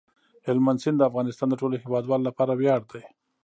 هلمند سیند د افغانستان د ټولو هیوادوالو لپاره ویاړ دی.